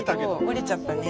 折れちゃったね。